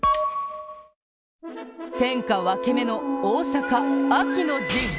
天下分け目の大阪、秋の陣。